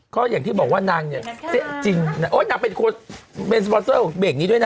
ก็อยากที่บอกว่านางเนี่ยจริงโอ๊ยน่าเป็นโค้ดเบนสโปรเซอร์แบงก์นี้ด้วยนะ